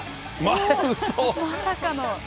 まさかの。